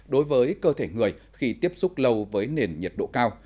đối với cơ thể người khi tiếp xúc lâu với nền nhiệt độ cao